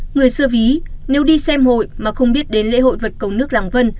người xưa ví nếu đi xem hội mà không biết đến lễ hội vật cầu nước làng vân